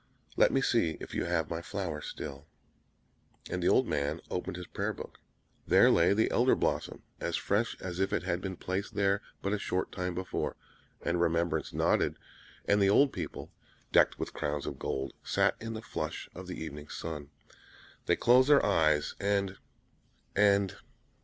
Let me see if you have my flower still?" And the old man opened his Prayer Book. There lay the Elder blossom, as fresh as if it had been placed there but a short time before; and Remembrance nodded, and the old people, decked with crowns of gold, sat in the flush of the evening sun. They closed their eyes, and and